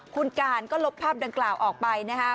คุณการก็ลบภาพดังกล่าวออกไปนะครับ